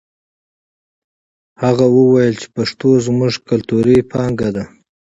هغه وویل چې پښتو زموږ کلتوري پانګه ده.